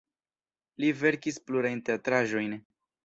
Li verkis plurajn teatraĵojn.